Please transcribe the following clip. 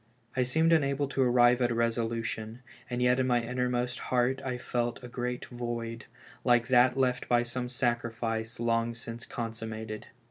I seemed unable to arrive at a resolution, and yet in my innermost heart I felt a great void, like that left by some sacrifice long since consummated.